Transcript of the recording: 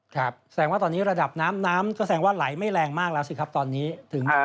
แสดงว่าตอนนี้ระดับน้ำน้ำก็แสดงว่าไหลไม่แรงมากแล้วสิครับตอนนี้ถึง